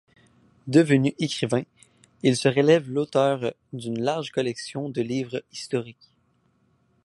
Devenu écrivain, il se révèle l'auteur d'une large collection de livres historiques.